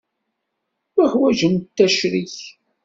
Uḥwaǧent acrik.